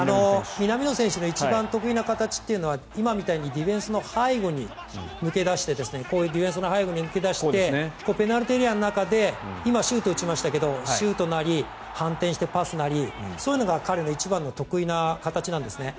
南野選手が一番得意な形というのは今みたいにディフェンスの背後に抜け出してペナルティーエリアの中でシュートを打ちましたけどシュートなり反転してパスなりそういうのが彼の一番の得意な形なんですね。